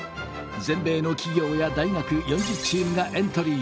全米の企業や大学４０チームがエントリー。